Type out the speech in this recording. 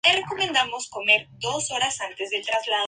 Ella era prima hermana del padre Sabah, Ahmad Al-Yaber Al-Sabah.